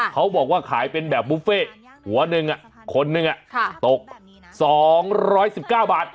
เขาบอกว่าขายเป็นแบบบุฟเฟ่หัวหนึ่งคนหนึ่งตก๒๑๙บาท